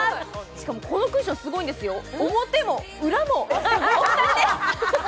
しかもこのクッションすごいんですよ、表も裏も、お二人です！